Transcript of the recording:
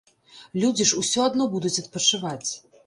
Людзі ж усё адно будуць адпачываць.